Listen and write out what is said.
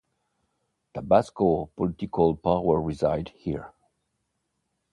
Tabasco's political powers reside here.